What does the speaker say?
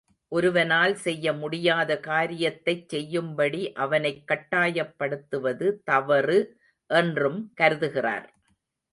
ஒருவனால் செய்ய முடியாத காரியத்தைச் செய்யும் படி அவனைக் கட்டாயப்படுத்துவது தவறு என்றும் கருதுகிறார்.